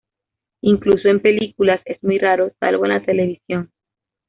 Incluso en películas, es muy raro, salvo en la televisión.